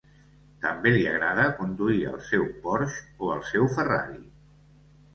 També li agrada conduir el seu Porsche o el seu Ferrari.